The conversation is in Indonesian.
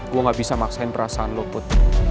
gue gak bisa maksain perasaan lo put